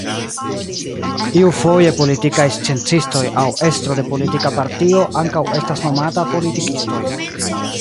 Iufoje politikaj sciencistoj aŭ estro de politika partio ankaŭ estas nomata politikistoj.